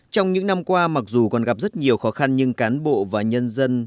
trong những năm qua mặc dù còn gặp rất nhiều khó khăn nhưng cán bộ và nhân dân